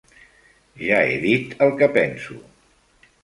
Ja he dit el que penso.